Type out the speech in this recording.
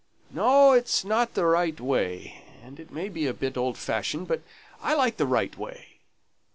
No, it's not the right way, and it may be a bit old fashioned, but I like the right way.